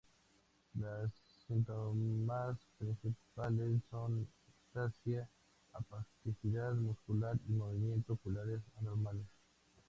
Los síntomas principales son ataxia, espasticidad muscular y movimientos oculares anormales.